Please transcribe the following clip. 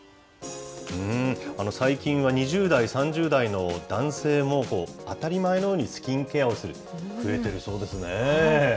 最近は、２０代、３０代の男性も、当たり前のようにスキンケアをする、増えてるそうですねぇ。